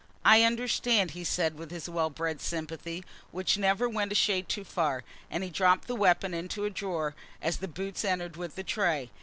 "I understand," he said, with his well bred sympathy, which never went a shade too far; and he dropped the weapon into a drawer, as the boots entered with the tray.